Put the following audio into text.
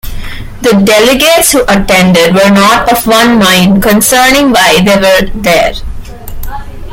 The delegates who attended were not of one mind concerning why they were there.